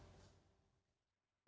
sudah cukupkah atau masih ada yang miss pak